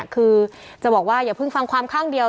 คือจะบอกว่าอย่าเพิ่งฟังความข้างเดียว